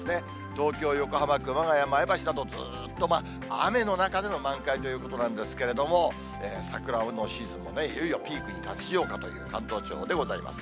東京、横浜、熊谷、前橋など、ずっと雨の中での満開ということなんですけれども、桜のシーズンもいよいよピークに達しようかという関東地方でございます。